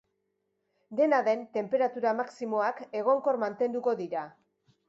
Dena den, tenperatura maximoak egonkor mantenduko dira.